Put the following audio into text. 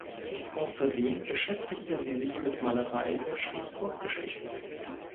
Außerdem beschäftigte sie sich mit Malerei und schrieb Kurzgeschichten.